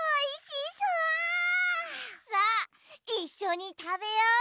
さあいっしょにたべよう！